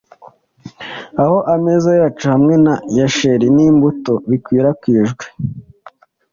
Aho ameza yacu hamwe na cheri n'imbuto bikwirakwijwe: